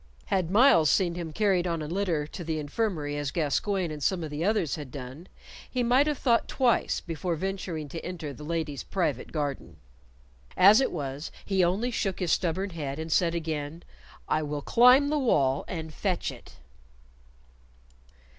Had Myles seen him carried on a litter to the infirmary as Gascoyne and some of the others had done, he might have thought twice before venturing to enter the ladies' private garden. As it was, he only shook his stubborn head, and said again, "I will climb the wall and fetch it."